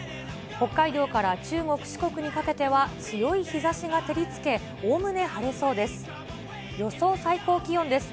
北海道から中国、四国にかけては強い日ざしが照りつけ、おおむね晴れそうです。